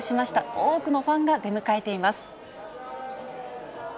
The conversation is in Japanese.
多くのファンが出迎えています。